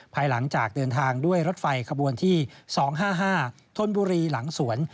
ภายหลังจากเดินทางด้วยรถไฟขบวนที่๒๕๕ธนบุรีหลังสวน